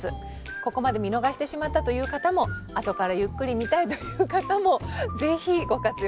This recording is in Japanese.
ここまで見逃してしまったという方も後からゆっくり見たいという方も是非ご活用下さい。